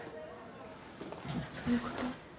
そういうこと？